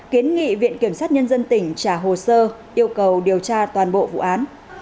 kiến nghị viện kiểm sát nhân dân tỉnh trả hồ sơ yêu cầu điều tra toàn bộ vụ án